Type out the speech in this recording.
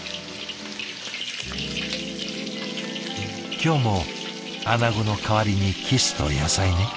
「今日も穴子の代わりにキスと野菜ね」。